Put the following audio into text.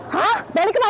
hah balik kemana